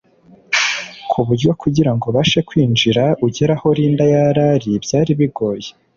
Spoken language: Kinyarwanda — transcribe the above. kuburyo kugira ngo ubashe kwinjira ugere aho Linda yarari byari bigoye